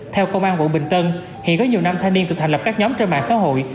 theo công an quận bình tân hiện có nhiều nam thanh niên tự thành lập các nhóm trên mạng xã hội